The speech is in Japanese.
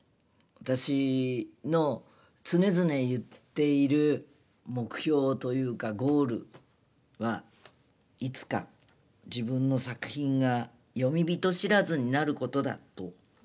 私の常々言っている目標というかゴールはいつか自分の作品が『詠み人知らず』になることだと。